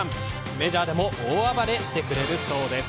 メジャーでも大暴れしてくれるそうです。